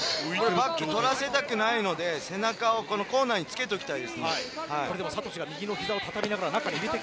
バックを取らせたくないので背中をコーナーにつけたい。